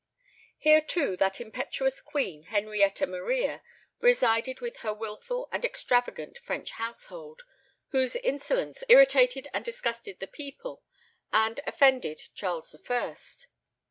Here too that impetuous queen, Henrietta Maria, resided with her wilful and extravagant French household, whose insolence irritated and disgusted the people and offended Charles the First.